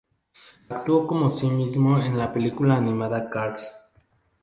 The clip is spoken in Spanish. Actuó como sí mismo en la película animada Cars.